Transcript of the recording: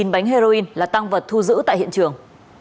tám mươi chín bánh heroin là tăng vật thu giữ tại hiện trường